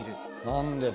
何でだ？